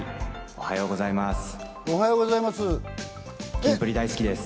おはようございます。